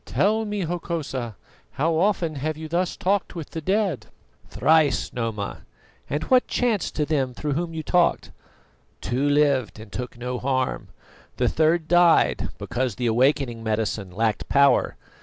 Tell me, Hokosa, how often have you thus talked with the dead?" "Thrice, Noma." "And what chanced to them through whom you talked?" "Two lived and took no harm; the third died, because the awakening medicine lacked power.